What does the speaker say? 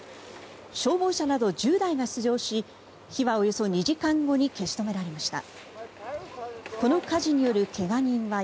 消防車など１０台が出動し火はおよそ２時間後に消し止められました。